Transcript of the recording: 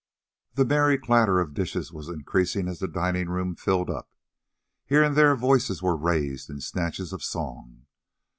The merry clatter of dishes was increasing as the dining room filled up. Here and there voices were raised in snatches of song.